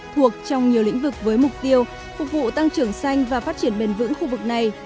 thuộc trong nhiều lĩnh vực với mục tiêu phục vụ tăng trưởng xanh và phát triển bền vững khu vực này